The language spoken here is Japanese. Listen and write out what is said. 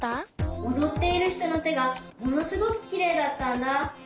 おどっているひとのてがものすごくきれいだったんだ。